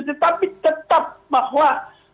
tetapi tetap bahwa